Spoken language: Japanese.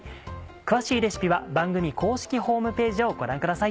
詳しいレシピは番組公式ホームページをご覧ください。